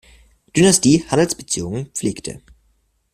Dynastie Handelsbeziehungen pflegte.